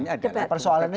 nah itu kan persoalannya ada